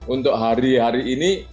untuk hari hari ini